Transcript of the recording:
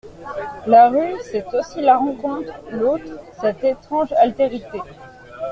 La rue, c’est aussi la rencontre, l’autre, cette étrange altérité.